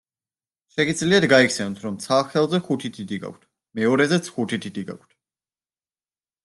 შეგიძლიათ გაიხსენოთ, რომ ცალ ხელზე ხუთი თითი გაქვთ, მეორეზეც ხუთი თითი გაქვთ.